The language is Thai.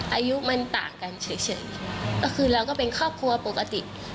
อายุมันต่างกันเฉยก็คือเราก็เป็นครอบครัวปกติ